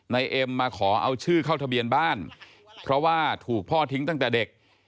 เอ็มมาขอเอาชื่อเข้าทะเบียนบ้านเพราะว่าถูกพ่อทิ้งตั้งแต่เด็ก